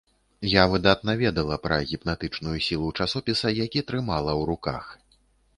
Я выдатна ведала пра гіпнатычную сілу часопіса, які трымала ў руках.